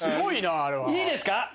いいですか？